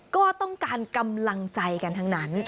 ก็ต้องการกำลังใจกันทั้งนั้น